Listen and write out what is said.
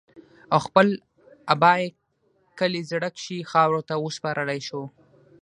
او خپل ابائي کلي زَړَه کښې خاورو ته اوسپارلے شو